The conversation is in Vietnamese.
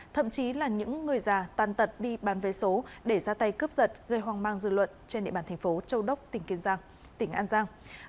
thậm chí là những người già tan tật đi bán vé số để ra tay cướp giật gây hoang mang dư luận trên địa bàn thành phố châu đốc tỉnh kiên giang tỉnh an giang